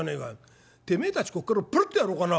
てめえたちこっから追っ払ってやろうかな」。